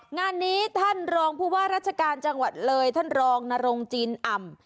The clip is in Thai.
งานนี้ท่านรองผู้ว่าราชการจังหวัดเลยท่านรองนรงจีนอ่ำ